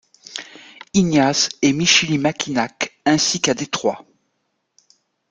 Ignace et Michilimackinac ainsi qu'à Détroit.